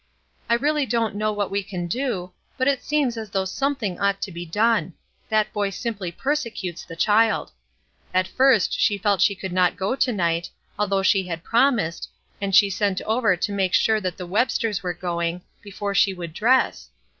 "I really don't know what we can do but it seems as though somethmg ought to be done that boy simply persecutes the child . At first she felt that she could not go to mght, although she had promised, and she sent over to make sure that the Websters were gomg, b^ fore she would dress.